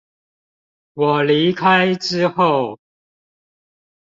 我離開之後